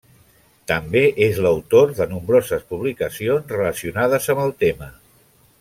També és l'autor de nombroses publicacions relacionades amb el tema.